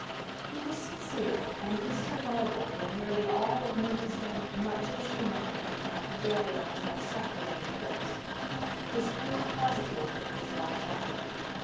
He was sincere, and his survival, when nearly all of Mendelssohn, much of Schumann and half of Berlioz have suffered an eclipse, is proof positive of his vitality.